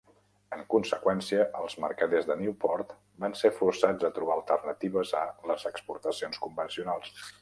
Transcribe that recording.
En conseqüència, els mercaders de Newport van ser forçats a trobar alternatives a les exportacions convencionals.